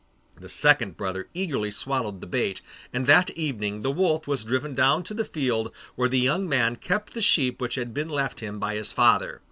The second brother eagerly swallowed the bait, and that evening the wolf was driven down to the field where the young man kept the sheep which had been left him by his father.